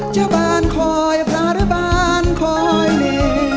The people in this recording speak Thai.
จะบ้านคอยพระหรือบ้านคอยเล่